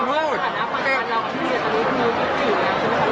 หรือไม่เหมือนกันแล้วก็จะบริเวณการสินค้าว่า